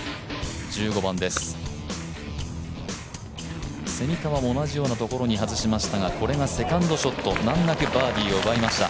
１５番です、蝉川も同じようなところに外しましたが、これがセカンドショット難なくバーディーを奪いました。